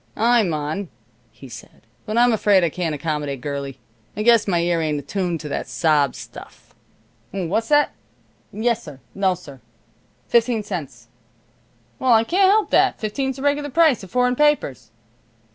"I'm on," said he, "but I'm afraid I can't accommodate, girlie. I guess my ear ain't attuned to that sob stuff. What's that? Yessir. Nossir, fifteen cents. Well, I can't help that; fifteen's the reg'lar price of foreign papers.